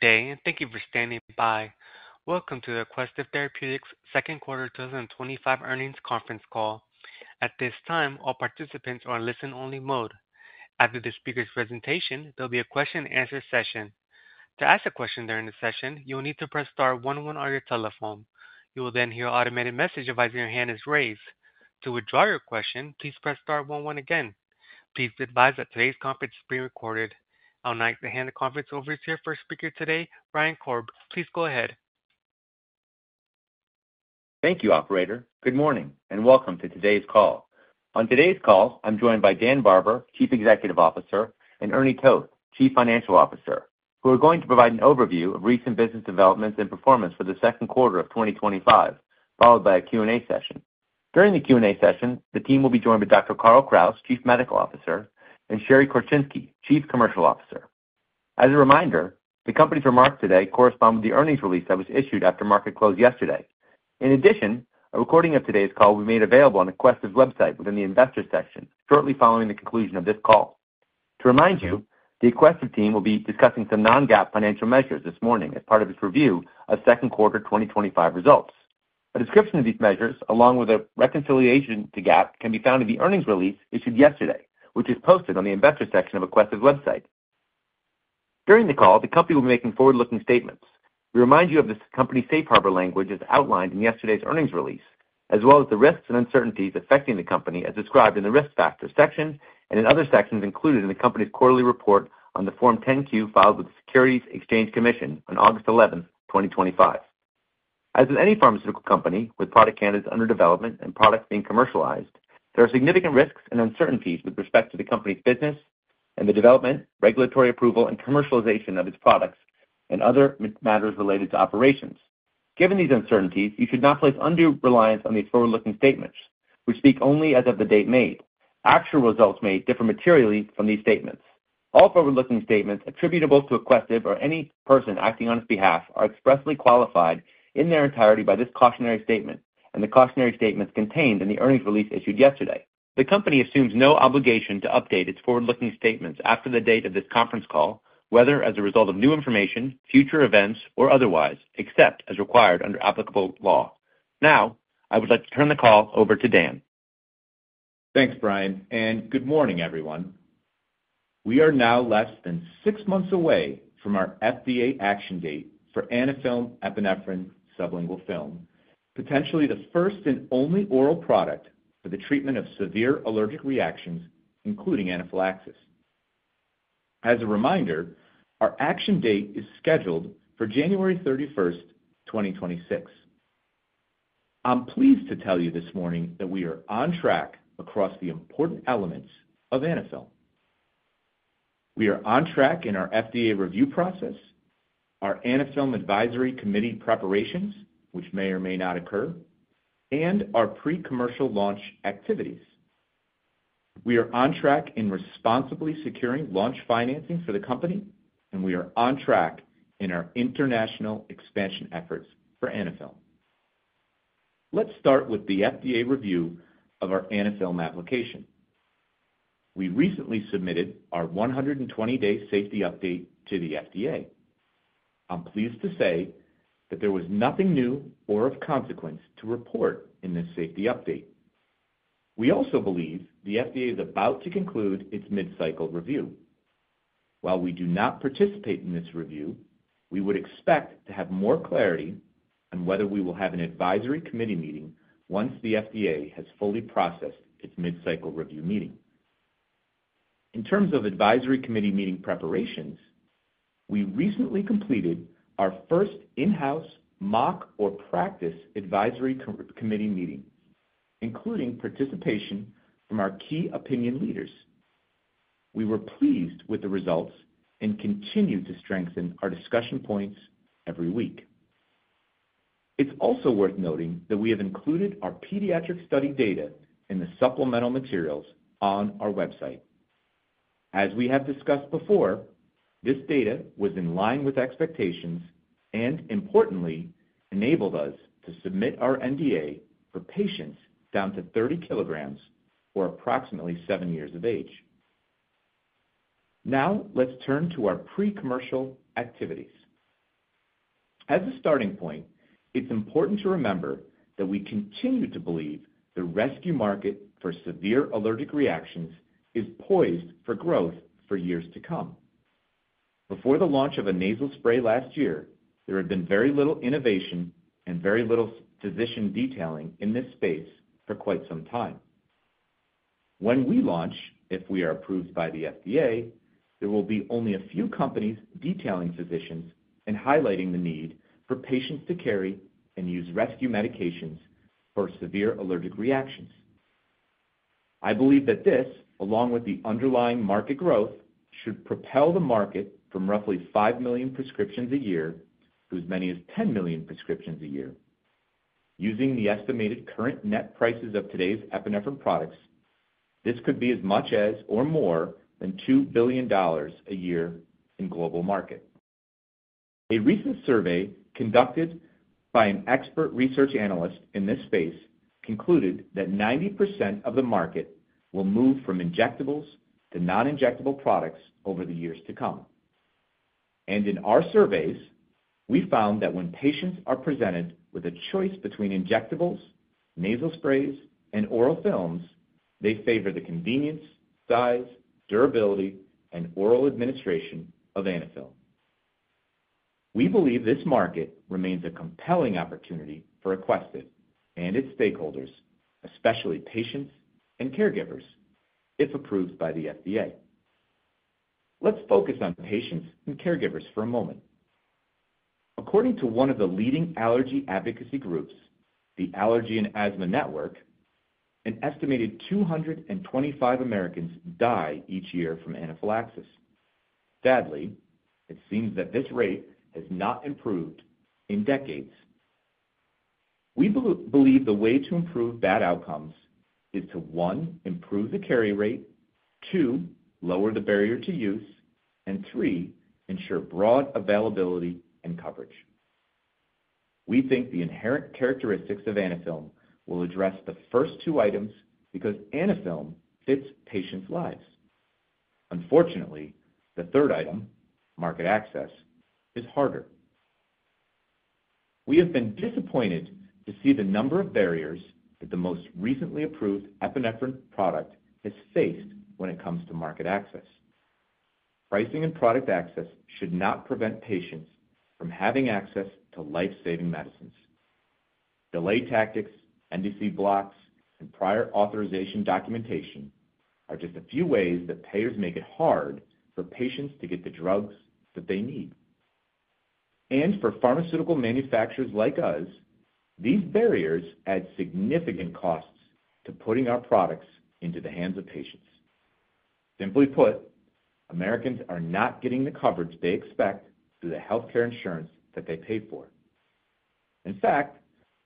Thank you for standing by. Welcome to the Aquestive Therapeutics Second Quarter 2025 Earnings Conference Call. At this time, all participants are in listen-only mode. After the speaker's presentation, there will be a question-and-answer session. To ask a question during the session, you will need to press star one one on your telephone. You will then hear an automated message advising your hand is raised. To withdraw your question, please press star one one again. Please be advised that today's conference is being recorded. I will now hand the conference over to our first speaker today, Brian Korb. Please go ahead. Thank you, operator. Good morning and welcome to today's call. On today's call, I'm joined by Dan Barber, Chief Executive Officer, and Ernie Toth, Chief Financial Officer, who are going to provide an overview of recent business developments and performance for the second quarter of 2025, followed by a Q&A session. During the Q&A session, the team will be joined by Dr. Carl Kraus, Chief Medical Officer, and Sherry Korczynski, Chief Commercial Officer. As a reminder, the company's remarks today correspond with the earnings release that was issued after market closed yesterday. In addition, a recording of today's call will be made available on the Aquestive website within the Investors Section shortly following the conclusion of this call. To remind you, the Aquestive team will be discussing some non-GAAP financial measures this morning as part of its review of second-quarter 2025 results. A description of these measures, along with a reconciliation to GAAP, can be found in the earnings release issued yesterday, which is posted on the Investors section of the Aquestive website. During the call, the company will be making forward-looking statements. We remind you of the company's safe harbor language as outlined in yesterday's earnings release, as well as the risks and uncertainties affecting the company as described in the Risk Factors section and in other sections included in the company's quarterly report on the Form 10-Q filed with the Securities and Exchange Commission on August 11, 2025. As with any pharmaceutical company with product candidates under development and products being commercialized, there are significant risks and uncertainties with respect to the company's business and the development, regulatory approval, and commercialization of its products and other matters related to operations. Given these uncertainties, you should not place undue reliance on these forward-looking statements, which speak only as of the date made. Actual results may differ materially from these statements. All forward-looking statements attributable to Aquestive or any person acting on its behalf are expressly qualified in their entirety by this cautionary statement and the cautionary statements contained in the earnings release issued yesterday. The company assumes no obligation to update its forward-looking statements after the date of this conference call, whether as a result of new information, future events, or otherwise, except as required under applicable law. Now, I would like to turn the call over to Dan. Thanks, Brian, and good morning, everyone. We are now less than six months away from our FDA action date for Anaphylm (epinephrine) Sublingual Film, potentially the first and only oral product for the treatment of severe allergic reactions, including anaphylaxis. As a reminder, our action date is scheduled for January 31st, 2026. I'm pleased to tell you this morning that we are on track across the important elements of Anaphylm. We are on track in our FDA review process, our Anaphylm advisory committee preparations, which may or may not occur, and our pre-commercial launch activities. We are on track in responsibly securing launch financing for the company, and we are on track in our international expansion efforts for Anaphylm. Let's start with the FDA review of our Anaphylm application. We recently submitted our 120-day safety update to the FDA. I'm pleased to say that there was nothing new or of consequence to report in this safety update. We also believe the FDA is about to conclude its mid-cycle review. While we do not participate in this review, we would expect to have more clarity on whether we will have an Advisory Committee Meeting once the FDA has fully processed its mid-cycle review meeting. In terms of Advisory Committee Meeting preparations, we recently completed our first in-house mock or practice Advisory Committee Meeting, including participation from our key opinion leaders. We were pleased with the results and continue to strengthen our discussion points every week. It's also worth noting that we have included our pediatric study data in the supplemental materials on our website. As we have discussed before, this data was in line with expectations and, importantly, enabled us to submit our NDA for patients down to 30 Kg or approximately seven years of age. Now, let's turn to our pre-commercial activities. As a starting point, it's important to remember that we continue to believe the rescue market for severe allergic reactions is poised for growth for years to come. Before the launch of a nasal spray last year, there had been very little innovation and very little physician detailing in this space for quite some time. When we launch, if we are approved by the FDA, there will be only a few companies detailing physicians and highlighting the need for patients to carry and use rescue medications for severe allergic reactions. I believe that this, along with the underlying market growth, should propel the market from roughly 5 million prescriptions a year to as many as 10 million prescriptions a year. Using the estimated current net prices of today's epinephrine products, this could be as much as or more than $2 billion a year in the global market. A recent survey conducted by an expert research analyst in this space concluded that 90% of the market will move from injectables to non-injectable products over the years to come. In our surveys, we found that when patients are presented with a choice between injectables, nasal sprays, and oral films, they favor the convenience, size, durability, and oral administration of Anaphylm. We believe this market remains a compelling opportunity for Aquestive and its stakeholders, especially patients and caregivers, if approved by the FDA. Let's focus on patients and caregivers for a moment. According to one of the leading allergy advocacy groups, the Allergy and Asthma Network, an estimated 225 Americans die each year from anaphylaxis. Sadly, it seems that this rate has not improved in decades. We believe the way to improve bad outcomes is to, one, improve the carry rate, two, lower the barrier to use, and three, ensure broad availability and coverage. We think the inherent characteristics of Anaphylm will address the first two items because Anaphylm fits patients' lives. Unfortunately, the third item, market access, is harder. We have been disappointed to see the number of barriers that the most recently approved epinephrine product has faced when it comes to market access. Pricing and product access should not prevent patients from having access to life-saving medicines. Delayed tactics, NDC blocks, and prior authorization documentation are just a few ways that payers make it hard for patients to get the drugs that they need. For pharmaceutical manufacturers like us, these barriers add significant costs to putting our products into the hands of patients. Simply put, Americans are not getting the coverage they expect through the healthcare insurance that they pay for. In fact,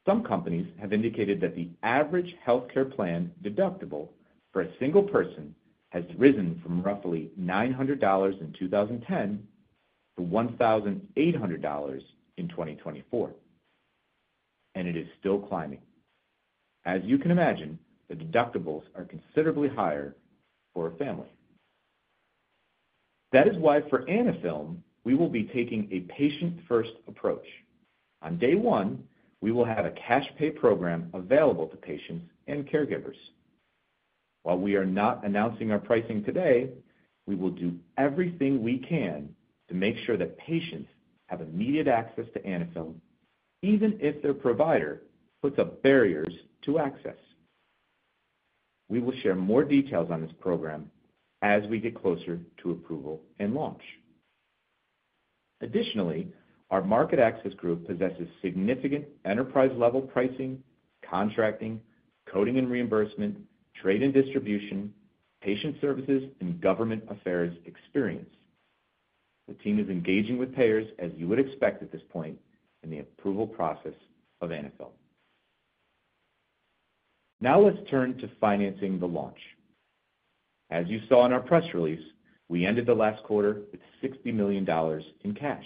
some companies have indicated that the average healthcare plan deductible for a single person has risen from roughly $900 in 2010 to $1,800 in 2024. It is still climbing. As you can imagine, the deductibles are considerably higher for a family. That is why for Anaphylm, we will be taking a patient-first approach. On day one, we will have a cash-pay program available to patients and caregivers. While we are not announcing our pricing today, we will do everything we can to make sure that patients have immediate access to Anaphylm, even if their provider puts up barriers to access. We will share more details on this program as we get closer to approval and launch. Additionally, our market access group possesses significant enterprise-level pricing, contracting, coding and reimbursement, trade and distribution, patient services, and government affairs experience. The team is engaging with payers, as you would expect at this point, in the approval process of Anaphylm. Now let's turn to financing the launch. As you saw in our press release, we ended the last quarter with $60 million in cash.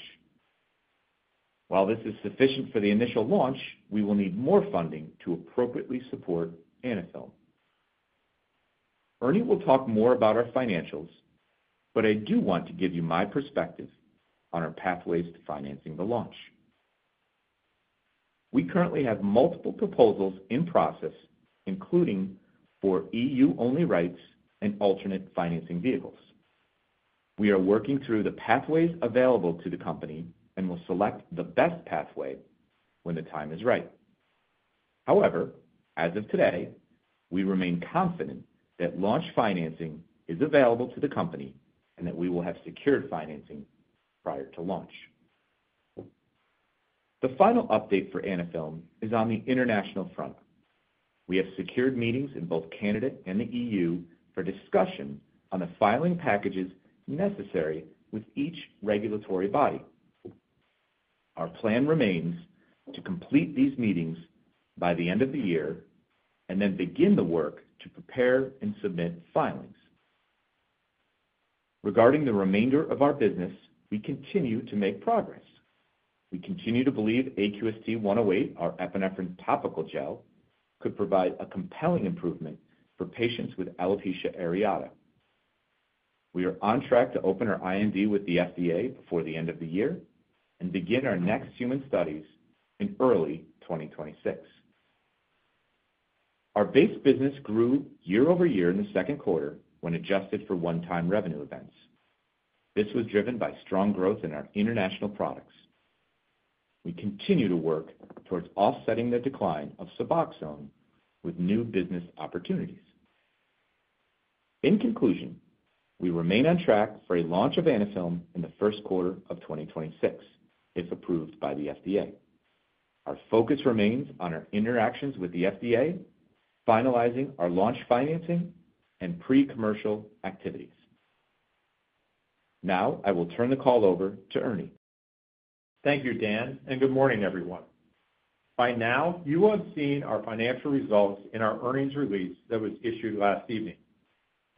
While this is sufficient for the initial launch, we will need more funding to appropriately support Anaphylm. Ernie will talk more about our financials, but I do want to give you my perspective on our pathways to financing the launch. We currently have multiple proposals in process, including for EU-only rights and alternate financing vehicles. We are working through the pathways available to the company and will select the best pathway when the time is right. However, as of today, we remain confident that launch financing is available to the company and that we will have secured financing prior to launch. The final update for Anaphylm is on the international front. We have secured meetings in both Canada and the EU for discussion on the filing packages necessary with each regulatory body. Our plan remains to complete these meetings by the end of the year and then begin the work to prepare and submit filings. Regarding the remainder of our business, we continue to make progress. We continue to believe AQST-109, our epinephrine topical gel, could provide a compelling improvement for patients with alopecia areata. We are on track to open our IND with the FDA before the end of the year and begin our next human studies in early 2026. Our base business grew year-over-year in the second quarter when adjusted for one-time revenue events. This was driven by strong growth in our international products. We continue to work towards offsetting the decline of Suboxone with new business opportunities. In conclusion, we remain on track for a launch of Anaphylm in the first quarter of 2026, if approved by the FDA. Our focus remains on our interactions with the FDA, finalizing our launch financing, and pre-commercial activities. Now, I will turn the call over to Ernie. Thank you, Dan, and good morning, everyone. By now, you have seen our financial results in our earnings release that was issued last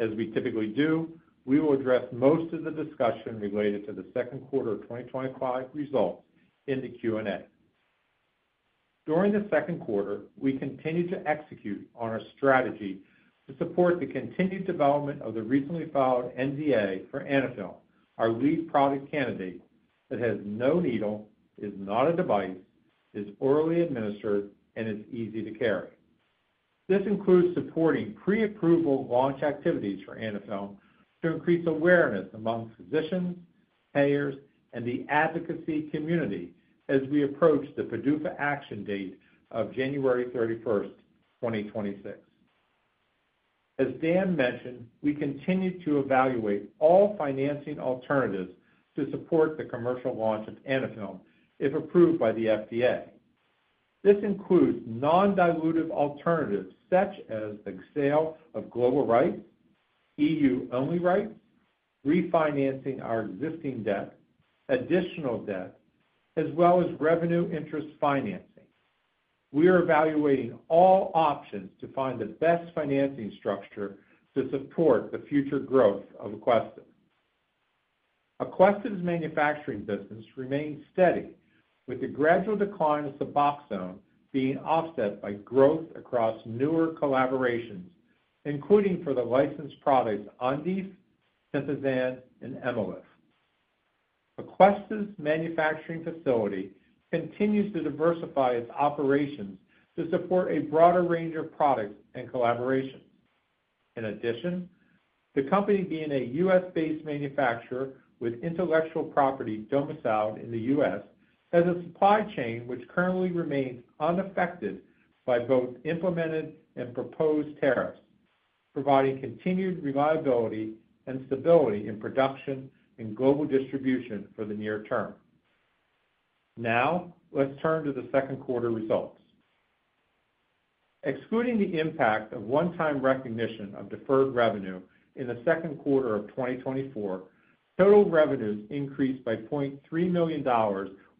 evening. As we typically do, we will address most of the discussion related to the second quarter of 2025 results in the Q&A. During the second quarter, we continue to execute on our strategy to support the continued development of the recently filed NDA for Anaphylm, our lead product candidate that has no needle, is not a device, is orally administered, and is easy to carry. This includes supporting pre-approval launch activities for Anaphylm to increase awareness among physicians, payers, and the advocacy community as we approach the PDUFA action date of January 31st, 2026. As Dan mentioned, we continue to evaluate all financing alternatives to support the commercial launch of Anaphylm if approved by the FDA. This includes non-dilutive alternatives such as the sale of global rights, EU-only rights, refinancing our existing debt, additional debt, as well as revenue interest financing. We are evaluating all options to find the best financing structure to support the future growth of Aquestive. Aquestive's manufacturing business remains steady, with the gradual decline of Suboxone being offset by growth across newer collaborations, including for the licensed products Ondif, Sympazan, and Emylif. Aquestive's manufacturing facility continues to diversify its operations to support a broader range of products and collaborations. In addition, the company, being a U.S.-based manufacturer with intellectual property domiciled in the U.S., has a supply chain which currently remains unaffected by both implemented and proposed tariffs, providing continued reliability and stability in production and global distribution for the near term. Now, let's turn to the second quarter results. Excluding the impact of one-time recognition of deferred revenue in the second quarter of 2024, total revenues increased by $0.3 million,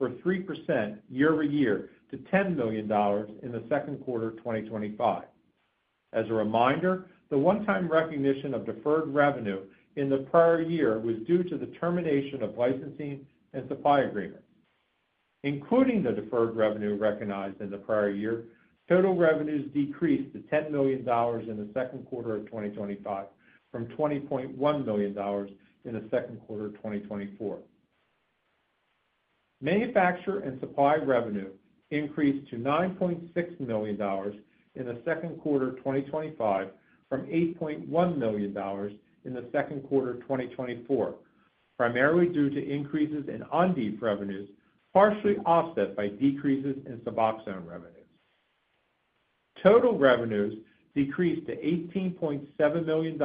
or 3% year-over-year, to $10 million in the second quarter of 2025. As a reminder, the one-time recognition of deferred revenue in the prior year was due to the termination of licensing and supply agreements. Including the deferred revenue recognized in the prior year, total revenues decreased to $10 million in the second quarter of 2025 from $20.1 million in the second quarter of 2024. Manufacturer and supply revenue increased to $9.6 million in the second quarter of 2025 from $8.1 million in the second quarter of 2024, primarily due to increases in Ondif revenues, partially offset by decreases in Suboxone revenues. Total revenues decreased to $18.7 million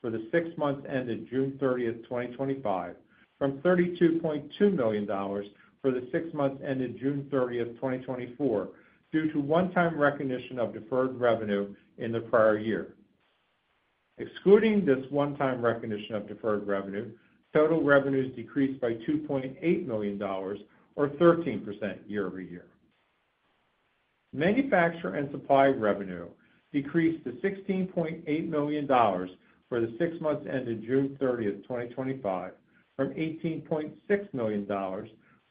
for the six months ended June 30th, 2025, from $32.2 million for the six months ended June 30th, 2024, due to one-time recognition of deferred revenue in the prior year. Excluding this one-time recognition of deferred revenue, total revenues decreased by $2.8 million, or 13% year-over-year. Manufacturer and supply revenue decreased to $16.8 million for the six months ended June 30th, 2025, from $18.6 million for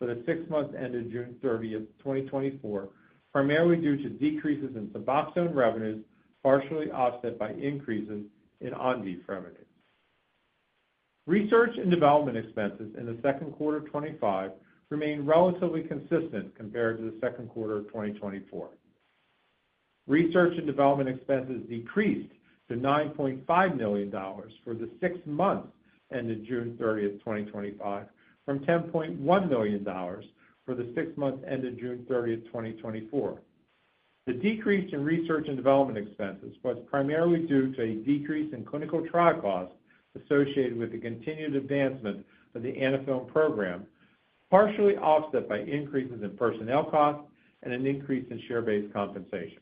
the six months ended June 30th, 2024, primarily due to decreases in Suboxone revenues, partially offset by increases in Ondif revenue. Research and development expenses in the second quarter of 2025 remain relatively consistent compared to the second quarter of 2024. Research and development expenses decreased to $9.5 million for the six months ended June 30th, 2025, from $10.1 million for the six months ended June 30th, 2024. The decrease in research and development expenses was primarily due to a decrease in clinical trial costs associated with the continued advancement of the Anaphylm program, partially offset by increases in personnel costs and an increase in share-based compensation.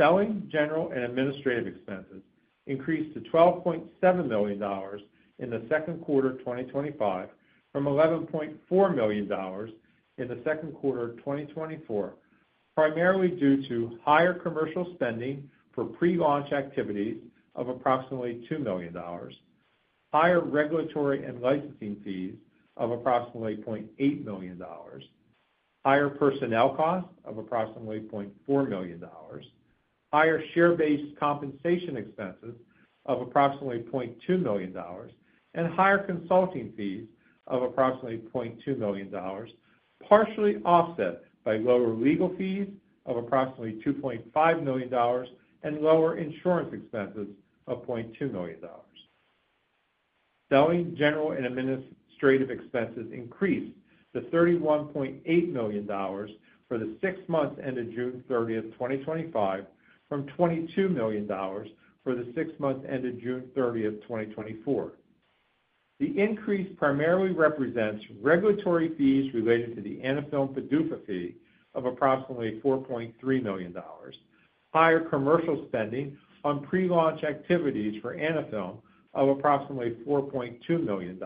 Selling, general and administrative expenses increased to $12.7 million in the second quarter of 2025, from $11.4 million in the second quarter of 2024, primarily due to higher commercial spending for pre-launch activities of approximately $2 million, higher regulatory and licensing fees of approximately $0.8 million, higher personnel costs of approximately $0.4 million, higher share-based compensation expenses of approximately $0.2 million, and higher consulting fees of approximately $0.2 million, partially offset by lower legal fees of approximately $2.5 million and lower insurance expenses of $0.2 million. Selling, general and administrative expenses increased to $31.8 million for the six months ended June 30th, 2025, from $22 million for the six months ended June 30th, 2024. The increase primarily represents regulatory fees related to the Anaphylm PDUFA fee of approximately $4.3 million, higher commercial spending on pre-launch activities for Anaphylm of approximately $4.2 million,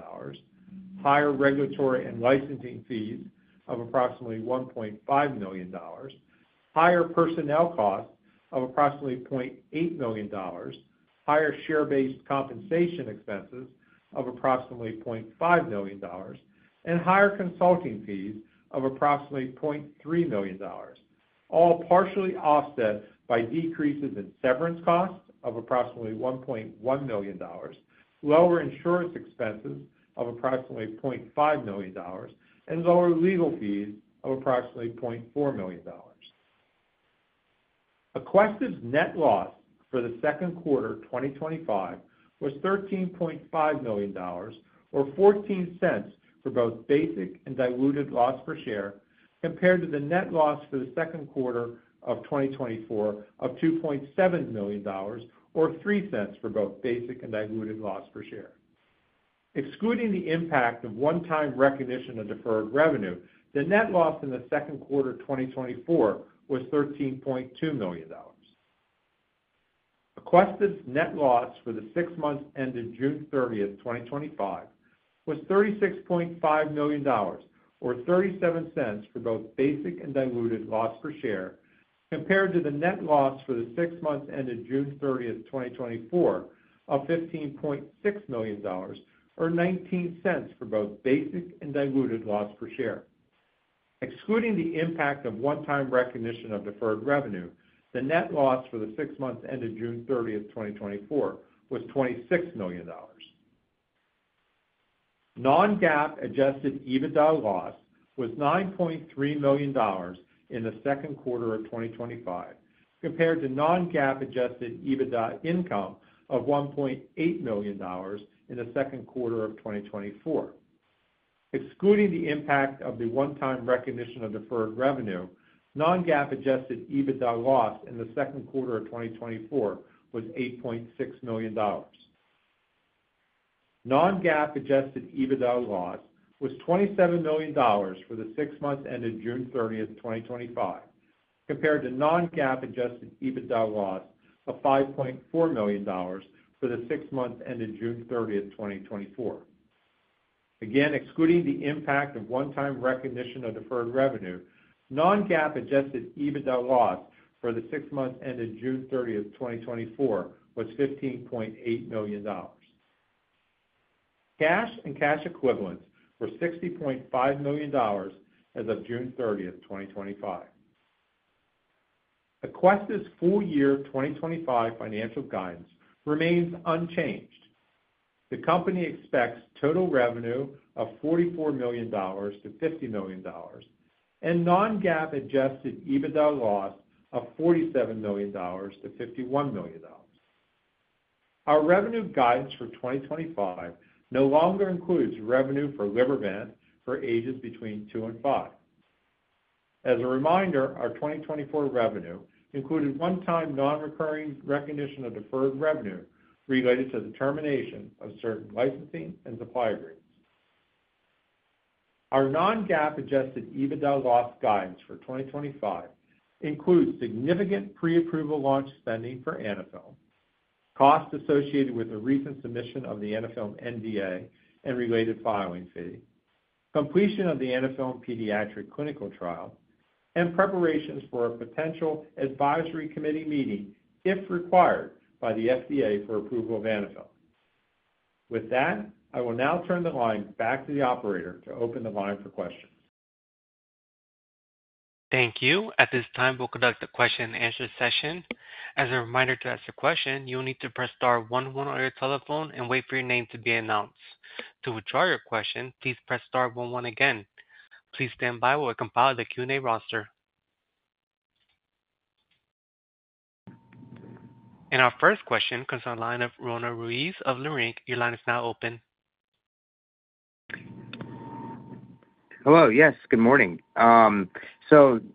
higher regulatory and licensing fees of approximately $1.5 million, higher personnel costs of approximately $0.8 million, higher share-based compensation expenses of approximately $0.5 million, and higher consulting fees of approximately $0.3 million, all partially offset by decreases in severance costs of approximately $1.1 million, lower insurance expenses of approximately $0.5 million, and lower legal fees of approximately $0.4 million. Aquestive's net loss for the second quarter of 2025 was $13.5 million, or $0.14 for both basic and diluted loss per share, compared to the net loss for the second quarter of 2024 of $2.7 million, or $0.03 for both basic and diluted loss per share. Excluding the impact of one-time recognition of deferred revenue, the net loss in the second quarter of 2024 was $13.2 million. Aquestive's net loss for the six months ended June 30th, 2025, was $36.5 million, or $0.37 for both basic and diluted loss per share, compared to the net loss for the six months ended June 30th, 2024, of $15.6 million, or $0.19 for both basic and diluted loss per share. Excluding the impact of one-time recognition of deferred revenue, the net loss for the six months ended June 30th, 2024, was $26 million. Non-GAAP adjusted EBITDA loss was $9.3 million in the second quarter of 2025, compared to non-GAAP adjusted EBITDA income of $1.8 million in the second quarter of 2024. Excluding the impact of the one-time recognition of deferred revenue, non-GAAP adjusted EBITDA loss in the second quarter of 2024 was $8.6 million. Non-GAAP adjusted EBITDA loss was $27 million for the six months ended June 30th, 2025, compared to non-GAAP adjusted EBITDA loss of $5.4 million for the six months ended June 30th, 2024. Again, excluding the impact of one-time recognition of deferred revenue, non-GAAP adjusted EBITDA loss for the six months ended June 30th, 2024, was $15.8 million. Cash and cash equivalents were $60.5 million as of June 30th, 2025. Aquestive's full-year 2025 financial guidance remains unchanged. The company expects total revenue of $44 million-$50 million, and non-GAAP adjusted EBITDA loss of $47 million-$51 million. Our revenue guidance for 2025 no longer includes revenue for Libervant for ages between two and five. As a reminder, our 2024 revenue included one-time non-recurring recognition of deferred revenue related to the termination of certain licensing and supply agreements. Our non-GAAP adjusted EBITDA loss guidance for 2025 includes significant pre-approval launch spending for Anaphylm, costs associated with the recent submission of the Anaphylm NDA and related filing fee, completion of the Anaphylm pediatric clinical trial, and preparations for a potential advisory committee meeting, if required by the FDA for approval of Anaphylm. With that, I will now turn the line back to the operator to open the line for questions. Thank you. At this time, we'll conduct the question-and-answer session. As a reminder, to ask a question, you will need to press star one one on your telephone and wait for your name to be announced. To withdraw your question, please press star one one again. Please stand by while we compile the Q&A roster. Our first question comes from the line of Roanna Ruiz of Leerink. Your line is now open. Hello. Yes, good morning. I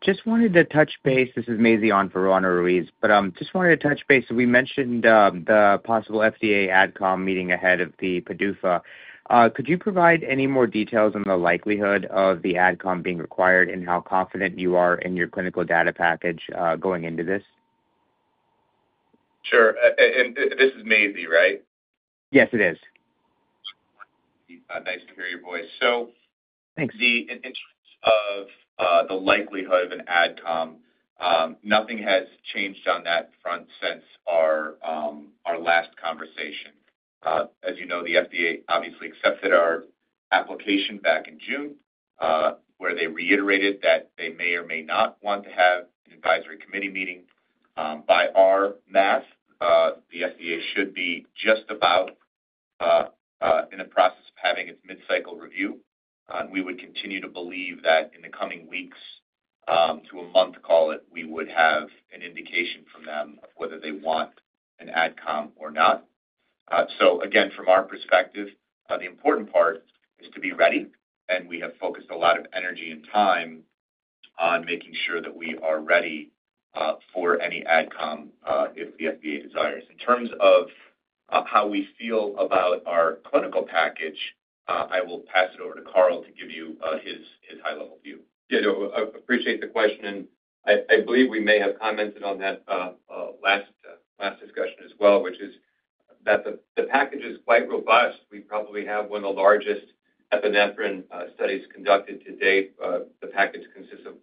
just wanted to touch base. This is Mazi on for Roanna Ruiz. I just wanted to touch base. We mentioned the possible FDA AdCom meeting ahead of the PDUFA. Could you provide any more details on the likelihood of the AdCom being required and how confident you are in your clinical data package going into this? Sure. This is Maisie, right? Yes, it is. Nice to hear your voice. Thanks. In terms of the likelihood of an AdCom, nothing has changed on that front since our last conversation. As you know, the FDA obviously accepted our application back in June, where they reiterated that they may or may not want to have an advisory committee meeting. By our math, the FDA should be just about in the process of having its mid-cycle review. We would continue to believe that in the coming weeks, to a month, call it, we would have an indication from them whether they want an AdCom or not. Again, from our perspective, the important part is to be ready, and we have focused a lot of energy and time on making sure that we are ready for any AdCom if the FDA desires. In terms of how we feel about our clinical package, I will pass it over to Carl to give you his high-level view. I appreciate the question. I believe we may have commented on that last discussion as well, which is that the package is quite robust. We probably have one of the largest epinephrine studies conducted to date. The package consists of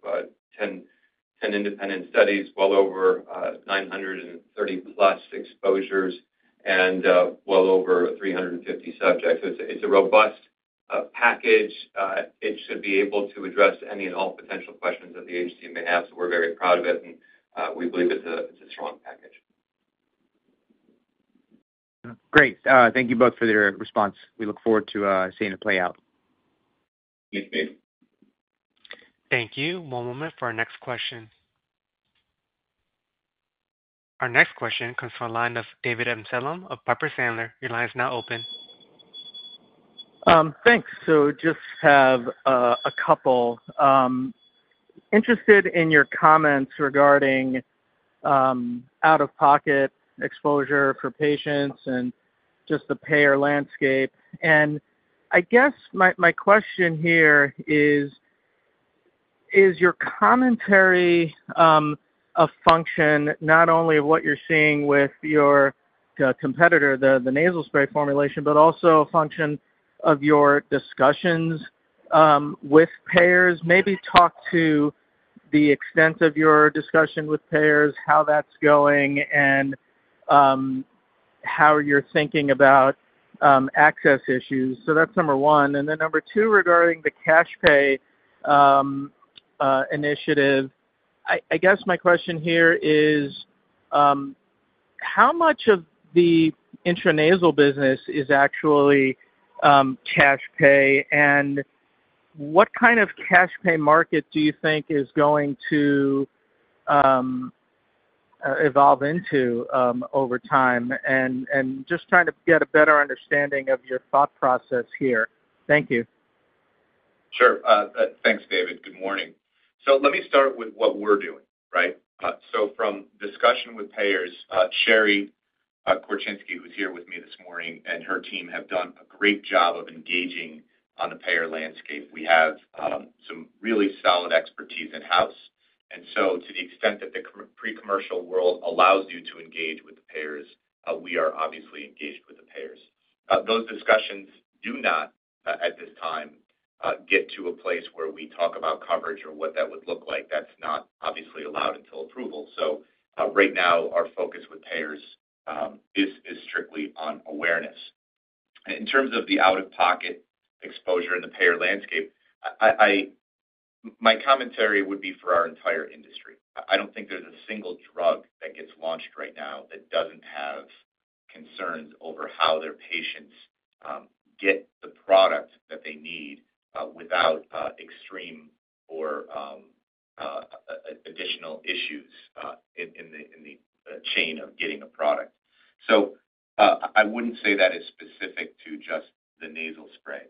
10 independent studies, well over 930+ exposures, and well over 350 subjects. It's a robust package. It should be able to address any and all potential questions that the agency may have. We're very proud of it, and we believe it's a strong package. Great. Thank you both for your response. We look forward to seeing it play out. Thank you. One moment for our next question. Our next question comes from a line of David Amsellem of Piper Sandler. Your line is now open. Thanks. I just have a couple. Interested in your comments regarding out-of-pocket exposure for patients and just the payer landscape. I guess my question here is, is your commentary a function not only of what you're seeing with your competitor, the nasal spray formulation, but also a function of your discussions with payers? Maybe talk to the extent of your discussion with payers, how that's going, and how you're thinking about access issues. That's number one. Number two, regarding the cash pay initiative, I guess my question here is, how much of the intranasal business is actually cash pay? What kind of cash pay market do you think is going to evolve into over time? Just trying to get a better understanding of your thought process here. Thank you. Sure. Thanks, David. Good morning. Let me start with what we're doing, right? From discussion with payers, Sherry Korczynski, who's here with me this morning, and her team have done a great job of engaging on the payer landscape. We have some really solid expertise in-house. To the extent that the pre-commercial world allows you to engage with the payers, we are obviously engaged with the payers. Those discussions do not, at this time, get to a place where we talk about coverage or what that would look like. That's not obviously allowed until approval. Right now, our focus with payers is strictly on awareness. In terms of the out-of-pocket exposure in the payer landscape, my commentary would be for our entire industry. I don't think there's a single drug that gets launched right now that doesn't have concerns over how their patients get the product that they need without extreme or additional issues in the chain of getting a product. I wouldn't say that is specific to just the nasal spray.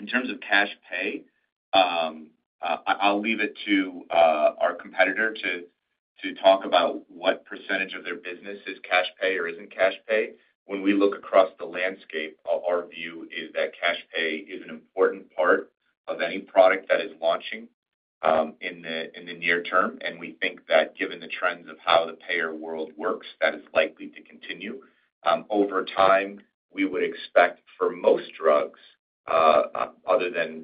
In terms of cash pay, I'll leave it to our competitor to talk about what % of their business is cash pay or isn't cash pay. When we look across the landscape, our view is that cash pay is an important part of any product that is launching in the near term. We think that given the trends of how the payer world works, that is likely to continue. Over time, we would expect for most drugs, other than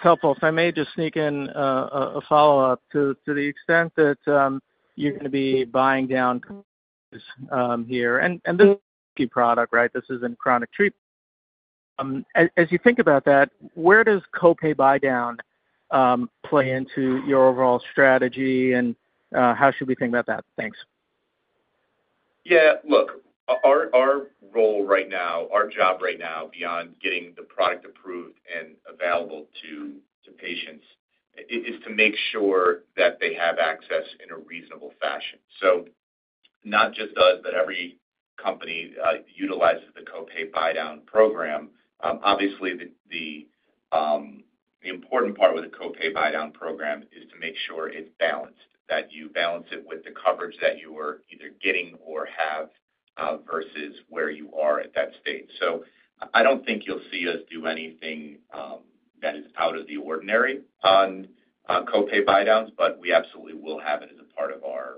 call it very highly priced drugs, that the cash pay portion will continue to grow and be a significant portion. In terms of what it can ultimately be for Anaphylm, I think that will really be informed by the market. That's helpful. If I may just sneak in a follow-up to the extent that you're going to be buying down here and this is a product, right? This is a chronic treatment. As you think about that, where does co-pay buy down play into your overall strategy? How should we think about that? Thanks. Yeah. Look, our role right now, our job right now, beyond getting the product approved and available to patients, is to make sure that they have access in a reasonable fashion. Not just us, but every company utilizes the co-pay assistance program. Obviously, the important part with a co-pay program is to make sure it's balanced, that you balance it with the coverage that you are either getting or have versus where you are at that stage. I don't think you'll see us do anything that is out of the ordinary on co-pay buy down, but we absolutely will have it as a part of our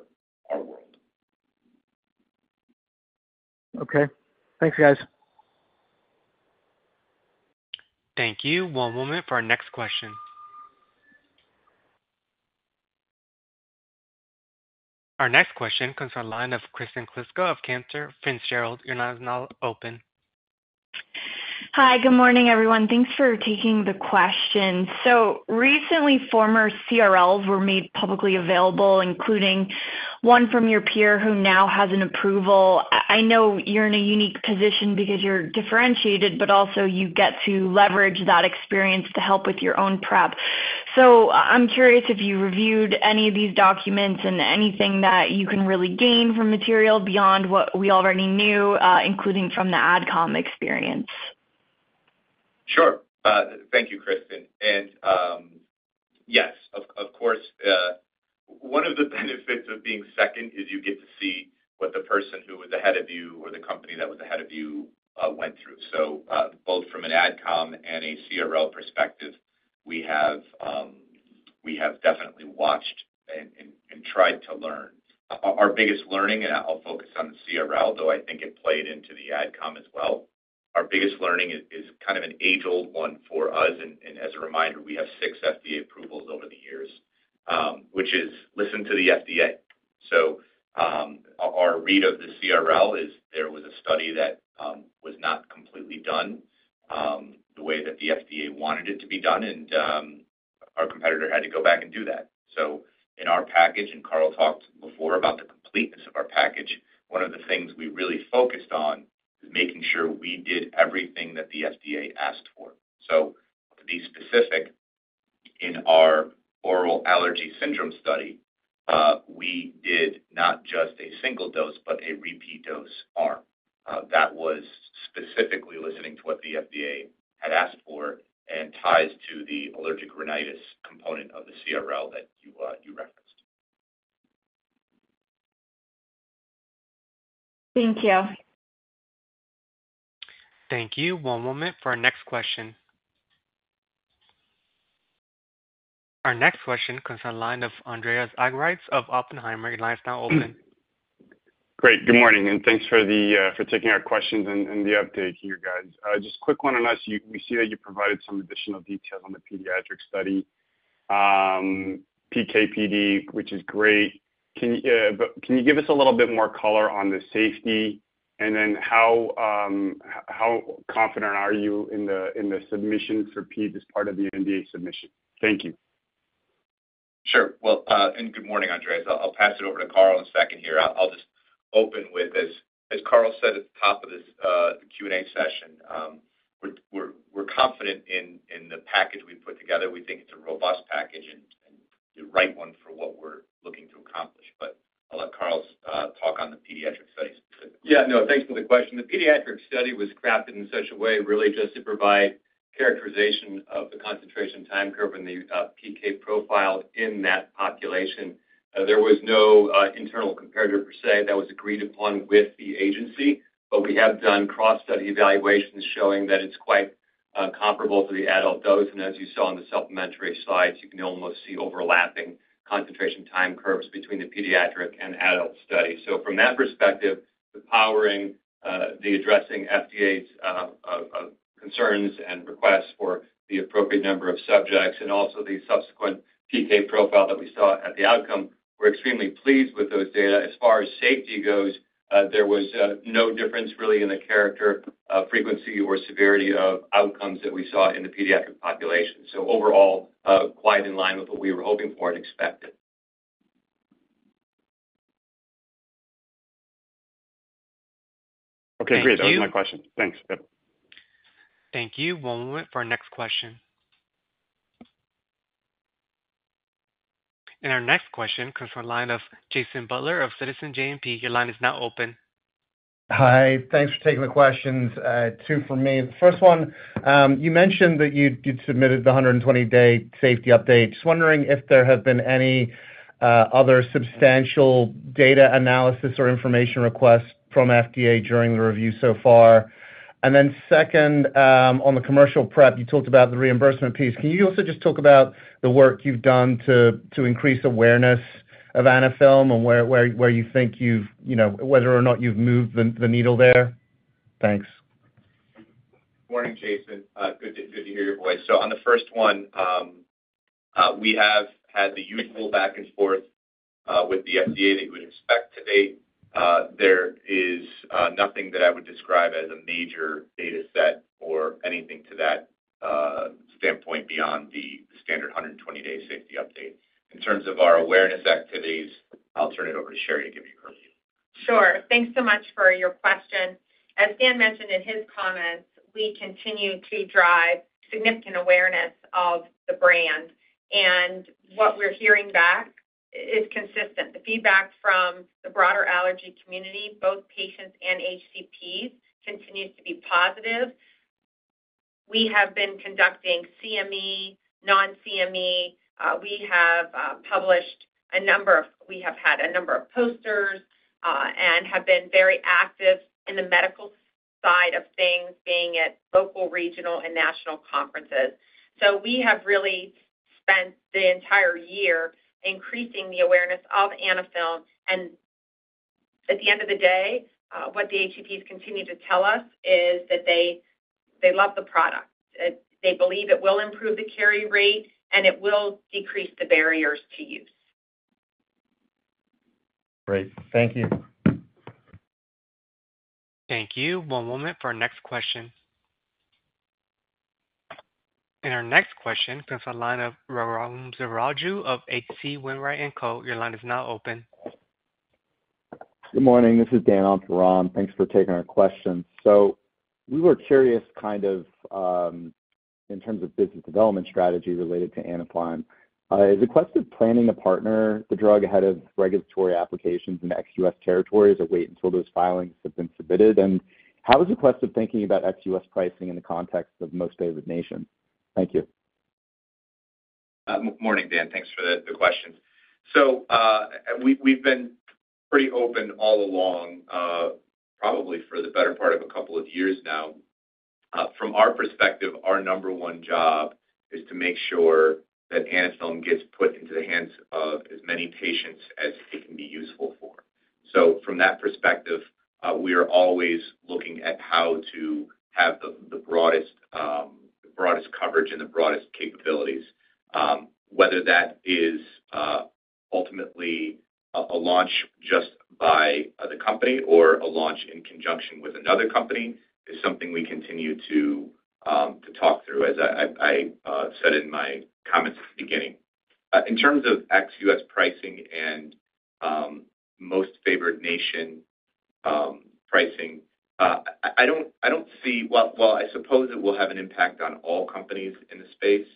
work. Okay. Thanks, guys. Thank you. One moment for our next question. Our next question comes from a line of Kristen Kluska of Cantor Fitzgerald. Your line is now open. Hi. Good morning, everyone. Thanks for taking the question. Recently, former CRLs were made publicly available, including one from your peer who now has an approval. I know you're in a unique position because you're differentiated, but also you get to leverage that experience to help with your own prep. I'm curious if you reviewed any of these documents and anything that you can really gain from material beyond what we already knew, including from the AdCom experience. Sure. Thank you, Kristen. Yes, of course, one of the benefits of being second is you get to see what the person who was ahead of you or the company that was ahead of you went through. Both from an AdCom and a CRL perspective, we have definitely watched and tried to learn. Our biggest learning, and I'll focus on the CRL, though I think it played into the AdCom as well, our biggest learning is kind of an age-old one for us. As a reminder, we have six FDA approvals over the years, which is listen to the FDA. Our read of the CRL is there was a study that was not completely done the way that the FDA wanted it to be done, and our competitor had to go back and do that. In our package, and Carl talked before about the completeness of our package, one of the things we really focused on is making sure we did everything that the FDA asked for. To be specific, in our oral allergy syndrome study, we did not just a single dose, but a repeat dose arm that was specifically listening to what the FDA had asked for and ties to the allergic rhinitis component of the CRL that you referenced. Thank you. Thank you. One moment for our next question. Our next question comes from a line of Andreas Argyrides of Oppenheimer. Your line is now open. Great. Good morning. Thanks for taking our questions and the update here, guys. Just a quick one on us. You see that you provided some additional details on the pediatric study, PK/PD, which is great. Can you give us a little bit more color on the safety? How confident are you in the submissions for PK as part of the NDA submission? Thank you. Sure. Good morning, Andreas. I'll pass it over to Carl in a second here. I'll just open with, as Carl said at the top of this Q&A session, we're confident in the package we put together. We think it's a robust package and the right one for what we're looking to accomplish. I'll let Carl talk on the pediatric studies. Yeah. No, thanks for the question. The pediatric study was crafted in such a way really just to provide characterization of the concentration time curve and the PK profile in that population. There was no internal competitor per se that was agreed upon with the agency, but we have done cross-study evaluations showing that it's quite comparable to the adult dose. As you saw in the supplementary slides, you can almost see overlapping concentration time curves between the pediatric and adult study. From that perspective, the powering, the addressing FDA's concerns and requests for the appropriate number of subjects, and also the subsequent PK profile that we saw at the outcome, we're extremely pleased with those data. As far as safety goes, there was no difference really in the character, frequency, or severity of outcomes that we saw in the pediatric population. Overall, quite in line with what we were hoping for and expected. Okay. Great. That was my question. Thanks. Thank you. One moment for our next question. Our next question comes from the line of Jason Butler of Citizens JMP. Your line is now open. Hi. Thanks for taking the questions. Two from me. The first one, you mentioned that you submitted the 120-day safety update. Just wondering if there have been any other substantial data analysis or information requests from FDA during the review so far. The second, on the commercial prep, you talked about the reimbursement piece. Can you also just talk about the work you've done to increase awareness of Anaphylm and where you think you've, you know, whether or not you've moved the needle there? Thanks. Good to hear your voice. On the first one, we have had a useful back and forth with the FDA that you would expect to date. There is nothing that I would describe as a major data set or anything to that standpoint beyond the standard 120-day safety update. In terms of our awareness activities, I'll turn it over to Sherry to give you a review. Sure. Thanks so much for your question. As Dan mentioned in his comments, we continue to drive significant awareness of the brand. What we're hearing back is consistent. The feedback from the broader allergy community, both patients and HCPs, continues to be positive. We have been conducting CME, non-CME. We have published a number of, we have had a number of posters and have been very active in the medical side of things, being at local, regional, and national conferences. We have really spent the entire year increasing the awareness of Anaphylm. At the end of the day, what the HCPs continue to tell us is that they love the product. They believe it will improve the carry rate and it will decrease the barriers to use. Great. Thank you. Thank you. One moment for our next question. Our next question comes from the line of Raghuram Selvaraju of H.C. Wainwright & Co. Your line is now open. Good morning. This is Dan for Ram. Thanks for taking our question. We were curious kind of in terms of business development strategy related to Anaphylm. Is Aquestive planning to partner the drug ahead of regulatory applications in the ex-U.S. territory as it waits until those filings have been submitted? How is Aquestive thinking about ex-U.S. pricing in the context of most favored nations? Thank you. Morning, Dan. Thanks for the question. We've been pretty open all along, probably for the better part of a couple of years now. From our perspective, our number one job is to make sure that Anaphylm gets put into the hands of as many patients as it can be useful for. From that perspective, we are always looking at how to have the broadest coverage and the broadest capabilities. Whether that is ultimately a launch just by the company or a launch in conjunction with another company is something we continue to talk through, as I said in my comments at the beginning. In terms of ex-U.S. pricing and most favored nation pricing, I don't see, I suppose it will have an impact on all companies in the space.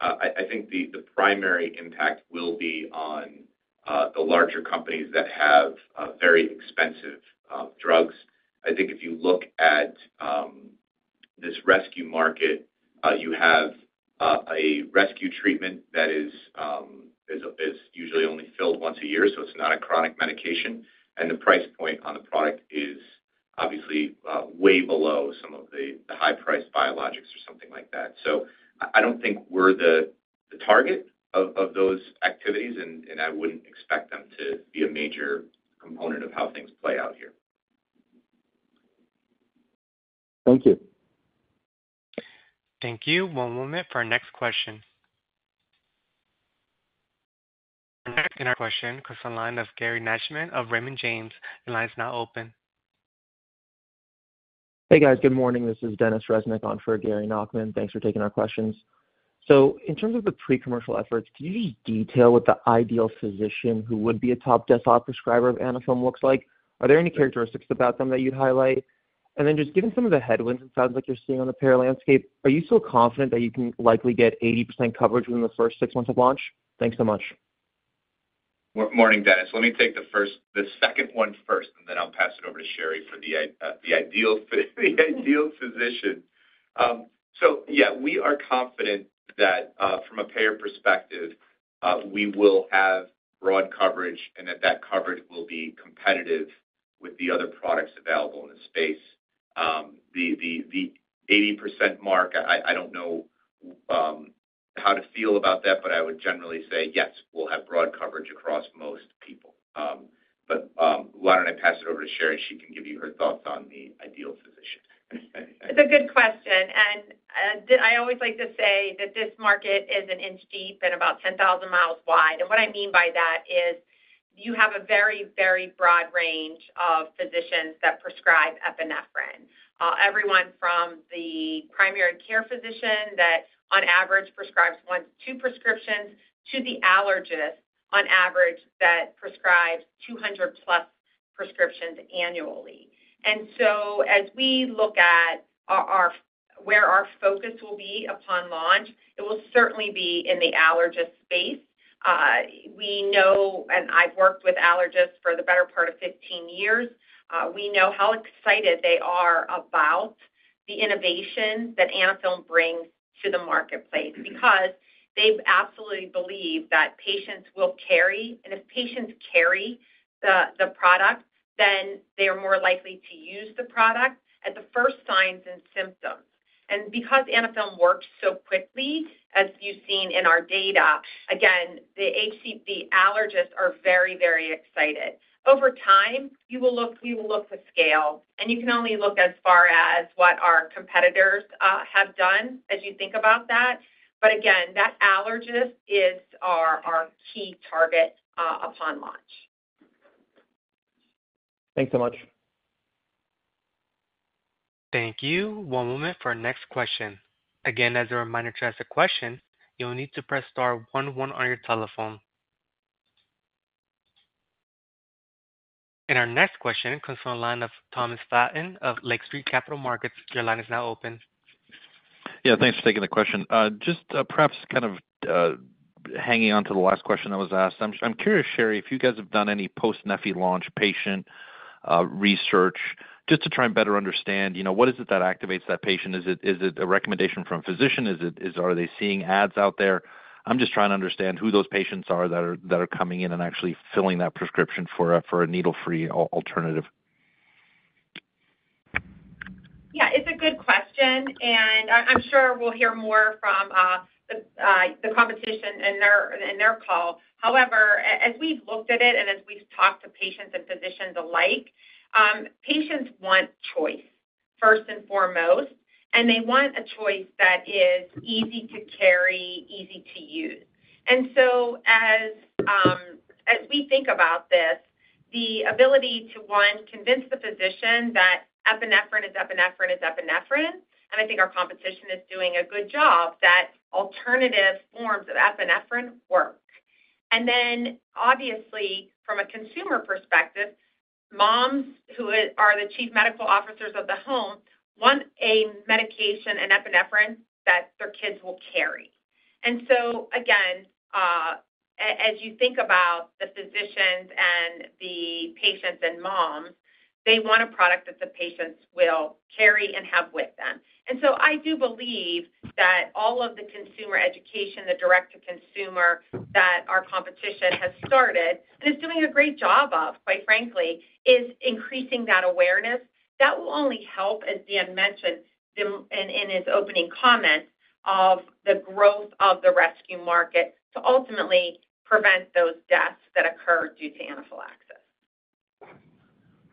I think the primary impact will be on the larger companies that have very expensive drugs. I think if you look at this rescue market, you have a rescue treatment that is usually only filled once a year, so it's not a chronic medication. The price point on the product is obviously way below some of the high-priced biologics or something like that. I don't think we're the target of those activities, and I wouldn't expect them to be a major component of how things play out here. Thank you. Thank you. One moment for our next question. Our next question comes from a line of Gary Nachman of Raymond James. Your line is now open. Hey, guys. Good morning. This is Dennis Resnick on for Gary Nachman. Thanks for taking our questions. In terms of the pre-commercial efforts, can you just detail what the ideal physician who would be a top desktop prescriber of Anaphylm looks like? Are there any characteristics about them that you'd highlight? Given some of the headwinds and sounds like you're seeing on the payer landscape, are you still confident that you can likely get 80% coverage within the first six months of launch? Thanks so much. Morning, Dennis. Let me take the second one first, and then I'll pass it over to Sherry for the ideal physician. We are confident that from a payer perspective, we will have broad coverage and that coverage will be competitive with the other products available in the space. The 80% mark, I don't know how to feel about that, but I would generally say, yes, we'll have broad coverage across most people. Why don't I pass it over to Sherry? She can give you her thoughts on the ideal physician. It's a good question. I always like to say that this market is an inch deep and about 10,000 mi wide. What I mean by that is you have a very, very broad range of physicians that prescribe epinephrine, everyone from the primary care physician that on average prescribes two prescriptions to the allergist on average that prescribes 200+ prescriptions annually. As we look at where our focus will be upon launch, it will certainly be in the allergist space. We know, and I've worked with allergists for the better part of 15 years, we know how excited they are about the innovation that Anaphylm brings to the marketplace because they absolutely believe that patients will carry. If patients carry the product, then they are more likely to use the product at the first signs and symptoms. Because Anaphylm works so quickly, as you've seen in our data, the allergists are very, very excited. Over time, we will look to scale, and you can only look as far as what our competitors have done as you think about that. That allergist is our key target upon launch. Thanks so much. Thank you. One moment for our next question. As a reminder, to ask a question, you'll need to press *11 on your telephone. Our next question comes from the line of Thomas Flaten of Lake Street Capital Markets. Your line is now open. Yeah. Thanks for taking the question. Just perhaps kind of hanging on to the last question that was asked. I'm curious, Sherry, if you guys have done any post-Anaphylm launch patient research just to try and better understand, you know, what is it that activates that patient? Is it a recommendation from a physician? Are they seeing ads out there? I'm just trying to understand who those patients are that are coming in and actually filling that prescription for a needle-free alternative. Yeah. It's a good question. I'm sure we'll hear more from the competition in their call. However, as we've looked at it and as we've talked to patients and physicians alike, patients want choice first and foremost, and they want a choice that is easy to carry, easy to use. As we think about this, the ability to, one, convince the physician that epinephrine is epinephrine is epinephrine, and I think our competition is doing a good job that alternative forms of epinephrine work. Obviously, from a consumer perspective, moms who are the Chief Medical Officers of the home want a medication and epinephrine that their kids will carry. Again, as you think about the physicians and the patients and moms, they want a product that the patients will carry and have with them. I do believe that all of the consumer education, the direct-to-consumer that our competition has started and is doing a great job of, quite frankly, is increasing that awareness. That will only help, as Dan mentioned in his opening comments, the growth of the rescue market to ultimately prevent those deaths that occur due to anaphylaxis.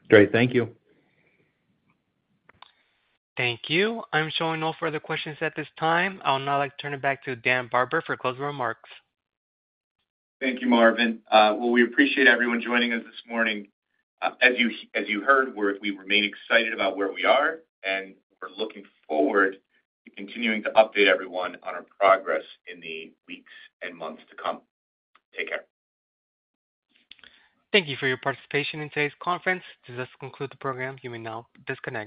Great. Thank you. Thank you. I'm showing no further questions at this time. I'll now like to turn it back to Dan Barber for closing remarks. Thank you, Marvin. We appreciate everyone joining us this morning. As you heard, we remain excited about where we are, and we're looking forward to continuing to update everyone on our progress in the weeks and months to come. Take care. Thank you for your participation in today's conference. This does conclude the program. You may now disconnect.